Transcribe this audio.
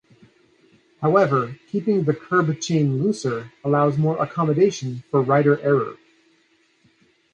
However, keeping the curb chain looser allows more accommodation for rider error.